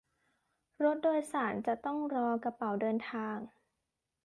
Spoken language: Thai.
รถโดยสารจะต้องรอกระเป๋าเดินทาง